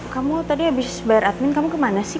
kamu tadi habis bayar admin kamu kemana sih